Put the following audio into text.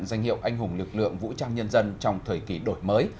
danh hiệu anh hùng lực lượng vũ trang nhân dân trong thời kỳ đổi mới